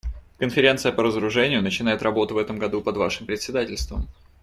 Конференция по разоружению начинает работу в этом году под вашим председательством.